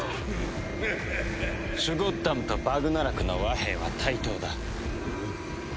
シュゴッダムとバグナラクの和平は対等だ。